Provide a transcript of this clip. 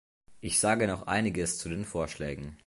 Ich sage noch einiges zu den Vorschlägen.